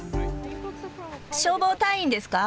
消防隊員ですか？